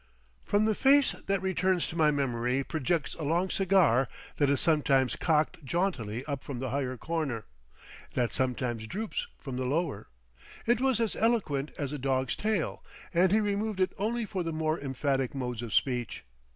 From the face that returns to my memory projects a long cigar that is sometimes cocked jauntily up from the higher corner, that sometimes droops from the lower;—it was as eloquent as a dog's tail, and he removed it only for the more emphatic modes of speech.